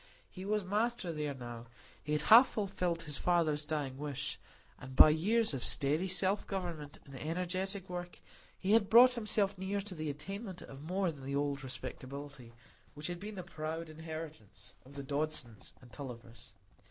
He was master there now; he had half fulfilled his father's dying wish, and by years of steady self government and energetic work he had brought himself near to the attainment of more than the old respectability which had been the proud inheritance of the Dodsons and Tullivers.